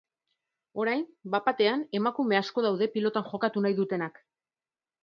Orain, bat-batean, emakume asko daude pilotan jokatu nahi dutenak.